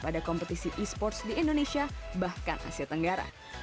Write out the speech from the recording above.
pada kompetisi esports di indonesia bahkan asia tenggara